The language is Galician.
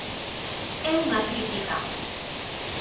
É unha crítica.